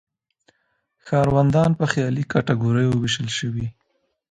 ښاروندان په خیالي کټګوریو ویشل شوي.